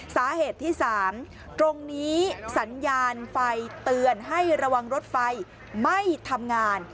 สาเหตุที่๓ตรงนี้สัญญาณไฟเตือนให้ระวังรถไฟไม่ทำงาน